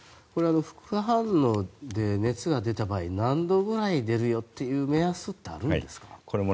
副反応で熱が出た場合何度ぐらい出るよという目安ってあるんですか？